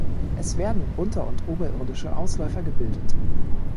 Es werden unter- und oberirdische Ausläufer gebildet.